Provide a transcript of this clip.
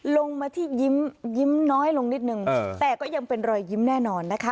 ลงมาที่ยิ้มยิ้มน้อยลงนิดนึงแต่ก็ยังเป็นรอยยิ้มแน่นอนนะคะ